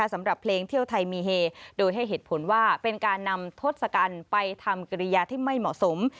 สำหรับเพลงเที่ยวไทยมีเฮโดยให้เหตุผลว่าเป็นการนำทศกัณฐ์ไปทำกิริยาที่ไม่เหมาะสม